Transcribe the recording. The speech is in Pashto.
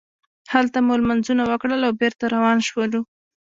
هلته مو لمونځونه وکړل او بېرته روان شولو.